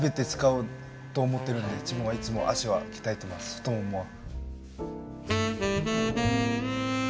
太ももは。